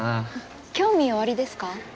興味おありですか？